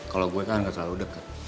kalau gue kan gak selalu deket